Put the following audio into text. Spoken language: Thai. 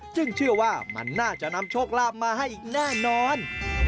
เชื่อว่ามันน่าจะนำโชคลาภมาให้อีกแน่นอน